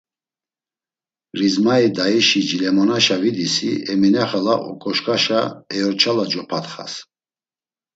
Rizmai daişi cilemonaşa vidisi Emine xala aǩoşǩaşa eorçale copatxas.